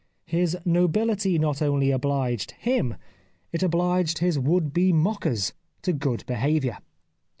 His nobility not only obliged him — ^it obliged his would be mockers — to good behaviour.